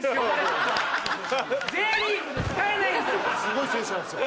すごい選手なんですよ。